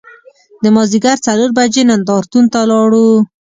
د مازدیګر څلور بجې نندار تون ته لاړو.